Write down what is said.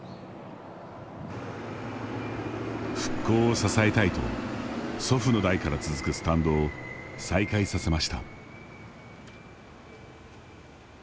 復興を支えたいと祖父の代から続くスタンドを再開させました。